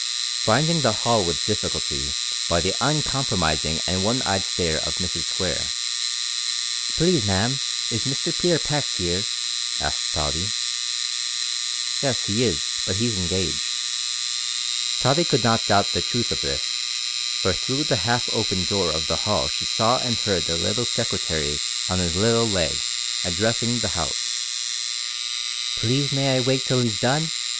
Finding the hall with difficulty, she was met and stopped by the uncompromising and one eyed stare of Mrs Square. "Please, ma'am, is Mr Peter Pax here?" asked Tottie. "Yes, he is, but he's engaged." Tottie could not doubt the truth of this, for through the half open door of the hall she saw and heard the little secretary on his little legs addressing the house. "Please may I wait till he's done?"